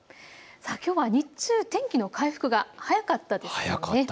きょうは日中、天気の回復が早かったですね。